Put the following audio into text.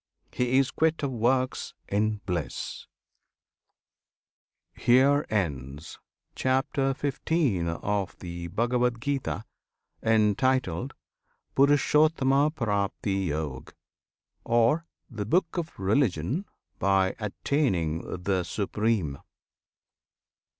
He is quit of works in bliss! HERE ENDS CHAPTER XV. OF THE BHAGAVAD GITA Entitled "Purushottamapraptiyog," Or "The Book of Religion by attaining the Supreme."